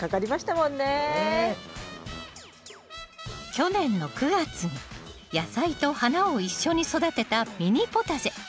去年の９月に野菜と花を一緒に育てたミニポタジェ。